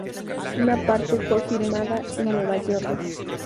Una parte fue filmada en Nueva York.